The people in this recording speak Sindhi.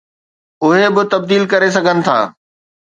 اهي به تبديل ڪري سگهن ٿا.